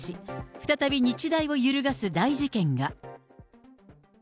再び日大を揺るがす大事件が。